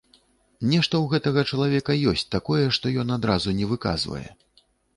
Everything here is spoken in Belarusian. Нешта ў гэтага чалавека ёсць такое, што ён адразу не выказвае.